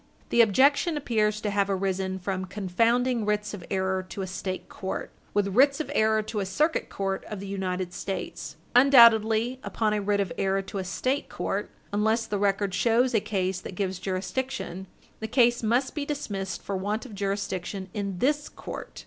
The objection appears to have arisen from confounding writs of error to a State court with writs of error to a Circuit Court of the United States. Undoubtedly, upon a writ of error to a State court, unless the record shows a case that gives jurisdiction, the case must be dismissed for want of jurisdiction in this court.